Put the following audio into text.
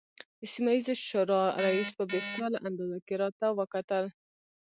د سیمه ییزې شورا رئیس په بې خیاله انداز کې راته وکتل.